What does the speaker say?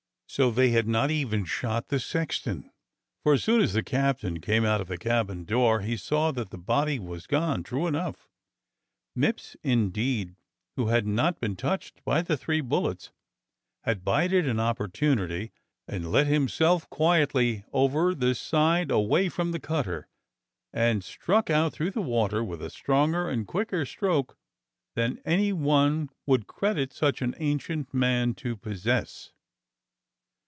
So they had not even shot the sexton, for as soon as the captain came out of the cabin door he saw that the body had gone, true enough. Mipps, indeed, who had not been touched by the three bullets, had bided an op portunity and let himself quietly over the side away from the cutter, and struck out through the water with a stronger and quicker stroke than any one would credit such an ancient man to possess.